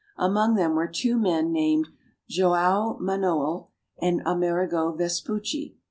Among them were two men named Joao Manoel and Amerigo Vespucci.